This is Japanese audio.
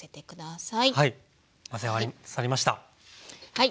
はい。